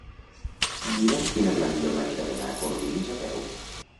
Mira'm quina és la millor manera d'anar a Corbins a peu.